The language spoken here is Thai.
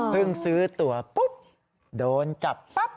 ซื้อตัวปุ๊บโดนจับปั๊บ